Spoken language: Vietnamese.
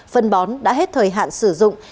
phân bón đã hết thời hạn sử dụng